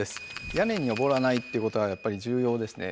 屋根に上らないっていうことはやっぱり重要ですね。